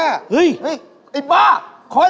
อะไรล่ะ